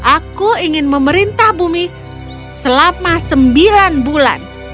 aku ingin memerintah bumi selama sembilan bulan